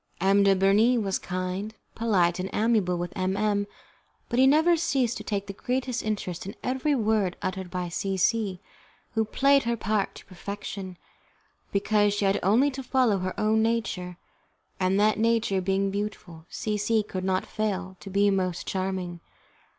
M. de Bernis was kind, polite, and amiable with M M , but he never ceased to take the greatest interest in every word uttered by C C , who played her part to perfection, because she had only to follow her own nature, and, that nature being beautiful, C C could not fail to be most charming.